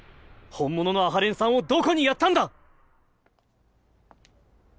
本物の阿波連さんをどこにやったんだ！